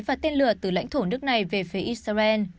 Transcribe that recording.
và tên lửa từ lãnh thổ nước này về phía israel